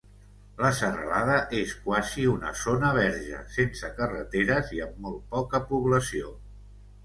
La serralada és quasi una zona verge, sense carreteres i amb molt poca població.